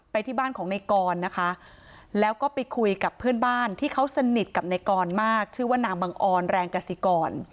ที่บ้านของในกรนะคะแล้วก็ไปคุยกับเพื่อนบ้านที่เขาสนิทกับในกรมากชื่อว่านางบังออนแรงกสิกร